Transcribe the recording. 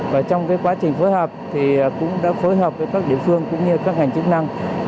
và trong quá trình phối hợp thì cũng đã phối hợp với các địa phương cũng như các ngành chức năng